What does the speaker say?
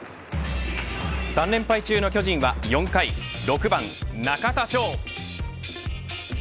３連敗中の巨人は４回６番、中田翔。